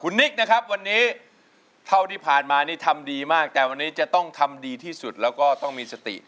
นิกนะครับวันนี้เท่าที่ผ่านมานี่ทำดีมากแต่วันนี้จะต้องทำดีที่สุดแล้วก็ต้องมีสติ